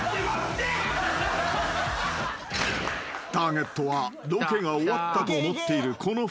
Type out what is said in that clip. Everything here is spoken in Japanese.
［ターゲットはロケが終わったと思っているこの２人］